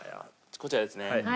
こちらですね。